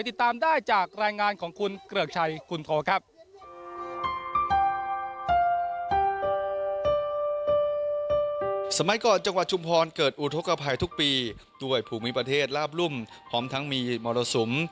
สมัยก่อนจังหวัดชุมพรเกิดอุทธกภัยทุกปีด้วยภูมิประเทศราบรุ่มพร้อมทั้งมีมรสม